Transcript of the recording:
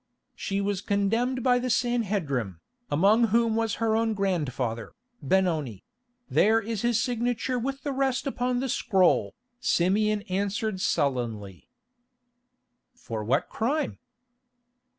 "She was condemned by the Sanhedrim, among whom was her own grandfather, Benoni; there is his signature with the rest upon the scroll," Simeon answered sullenly. "For what crime?"